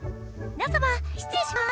皆様失礼します。